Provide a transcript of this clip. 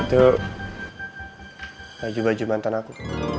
itu baju baju mantan aku